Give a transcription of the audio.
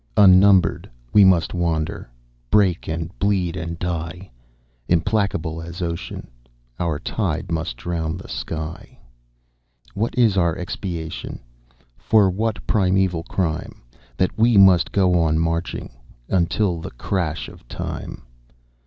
"Unnumbered we must wander, Break, and bleed, and die. Implacable as ocean, Our tide must drown the sky. "_What is our expiation, For what primeval crime, That we must go on marching Until the crash of time?